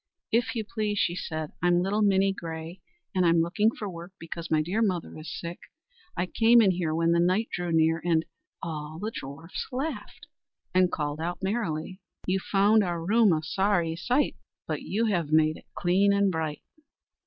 "If you please," she said, "I'm little Minnie Grey; and I'm looking for work because my dear mother is sick. I came in here when the night drew near, and " Here all the dwarfs laughed, and called out merrily: "You found our room a sorry sight, But you have made it clean and bright."